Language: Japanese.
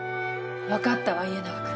分かったわ家長君。